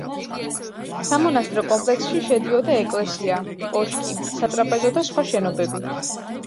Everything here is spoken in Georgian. სამონასტრო კომპლექსში შედიოდა ეკლესია, კოშკი, სატრაპეზო და სხვა შენობები.